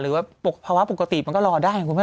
หรือว่าภาวะปกติก็รอด้วย